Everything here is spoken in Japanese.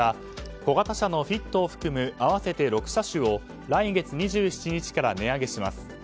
小型車のフィットを含む合わせて６車種を来月２７日から値上げします。